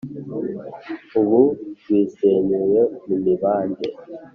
Ubu rwisenyuye mu mibande,